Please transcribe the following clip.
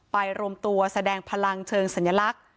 รวมตัวแสดงพลังเชิงสัญลักษณ์